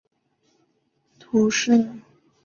热讷伊人口变化图示